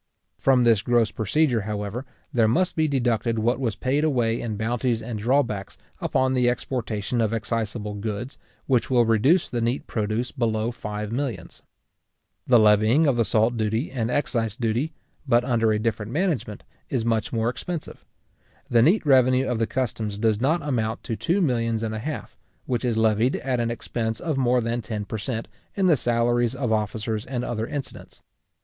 From this gross produce, however, there must be deducted what was paid away in bounties and drawbacks upon the exportation of exciseable goods, which will reduce the neat produce below five millions. {The neat produce of that year, after deducting all expenses and allowances, amounted to £4,975,652:19:6.} The levying of the salt duty, and excise duty, but under a different management, is much more expensive. The neat revenue of the customs does not amount to two millions and a half, which is levied at an expense of more than ten per cent., in the salaries of officers and other incidents.